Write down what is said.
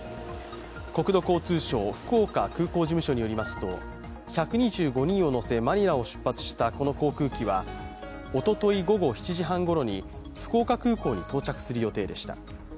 国土交通省、福岡空港事務所によりますと１２５人を乗せマニラを出発したこの航空機はおととい午後７時半ごろに福岡空港に到着する予定でした。